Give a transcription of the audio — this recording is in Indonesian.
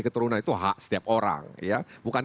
keturunan itu hak setiap orang ya bukan